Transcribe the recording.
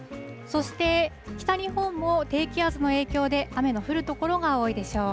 そして北日本も低気圧の影響で雨の降る所が多いでしょう。